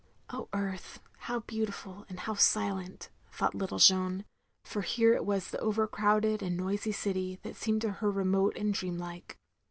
Oh, earth, how beautiftd and how silent, thought little Jeanne ; for here it was the over crowded and noisy city that seemed to her remote and dream like.